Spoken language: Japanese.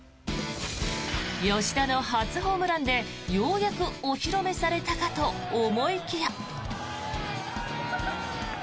吉田の初ホームランでようやくお披露目されたかと思いきや。